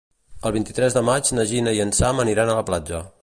El vint-i-tres de maig na Gina i en Sam aniran a la platja.